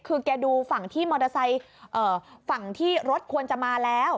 คือแกดูฝั่งที่รถควรจะมาแล้ว